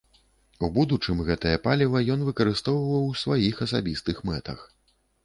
У будучым гэтае паліва ён выкарыстоўваў у сваіх асабістых мэтах.